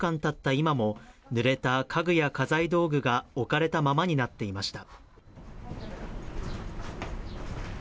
今も、ぬれた家具や家財道具が置かれたままになっていました。